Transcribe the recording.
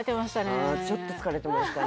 うんちょっと疲れてましたね